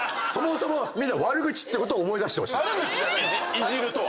「いじる」とは。